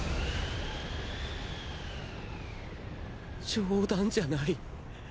冗談じゃない。